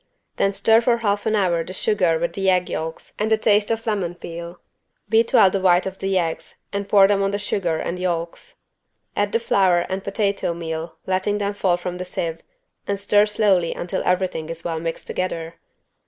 Then stir for half an hour the sugar with the egg yolks and the taste of lemon peel. Beat well the white of the eggs and pour them on the sugar and yolks. Add the flour and potato meal letting them fall from a sieve and stir slowly until everything is well mixed together.